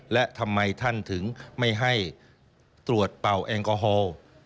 และทำไมท่านถึงไม่ให้ตรวจเป่าแอลกอฮอล์